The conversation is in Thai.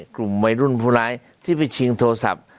กลุ่มวัยรุ่นผู้ร้ายที่ไปชิงโทรศัพท์